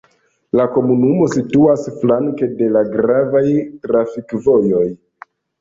La komunumo situas flanke de la gravaj trafikvojoj.